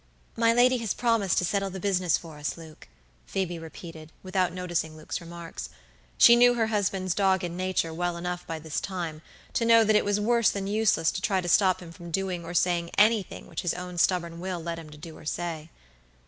"My lady has promised to settle the business for us, Luke," Phoebe repeated, without noticing Luke's remarks. She knew her husband's dogged nature well enough by this time to know that it was worse than useless to try to stop him from doing or saying anything which his own stubborn will led him to do or say.